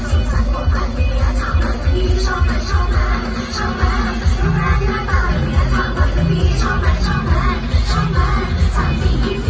รู้ใครรักใครก็พอก็รอบเอาออกให้รู้เลย